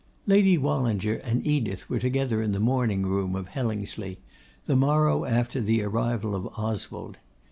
Lady Wallinger and Edith were together in the morning room of Hellingsley, the morrow after the arrival of Oswald.